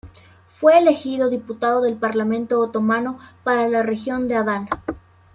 Fue elegido diputado del Parlamento otomano para la región de Adana.